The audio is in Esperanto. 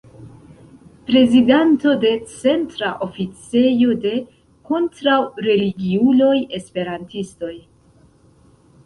Prezidanto de Centra oficejo de kontraŭreligiuloj-Esperantistoj.